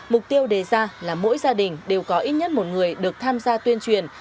mục tiêu đề ra là mỗi gia đình đều có ít nhất một người được tham gia tuyên truyền